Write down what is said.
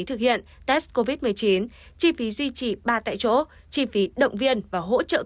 thực hiện test covid một mươi chín chi phí duy trì ba tại chỗ chi phí động viên và hỗ trợ